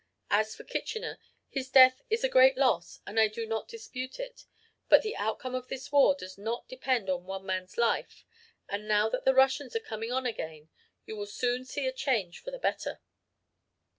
As for Kitchener, his death is a great loss and I do not dispute it. But the outcome of this war does not depend on one man's life and now that the Russians are coming on again you will soon see a change for the better.'